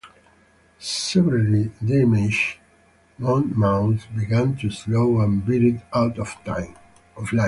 Severely damaged, "Monmouth" began to slow and veered out of line.